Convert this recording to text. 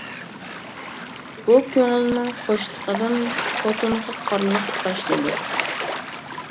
بۇ كۆڭۈلنىڭ خۇشلۇقىدىن، خوتۇنغا قارلىق تاشلىدۇق.